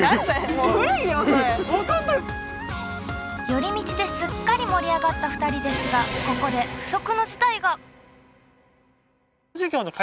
寄り道ですっかり盛り上がった２人ですがここで不測の事態が！